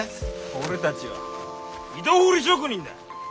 俺たちは井戸掘り職人だ！